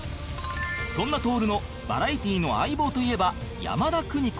そんな徹のバラエティーの相棒といえば山田邦子